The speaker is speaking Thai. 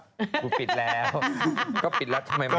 สนุนโดยดีที่สุดคือการให้ไม่สิ้นสุด